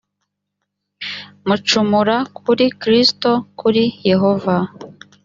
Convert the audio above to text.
mucumura kuri kristo kuri yehova